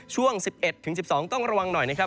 ช่วง๑๑ถึง๑๒ต้องระวังหน่อยนะครับ